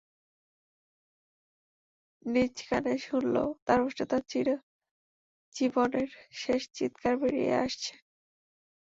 নিজ কানে শুনল, তার ওষ্ঠাধর চিরে জীবনের শেষ চিৎকার বেরিয়ে আসছে।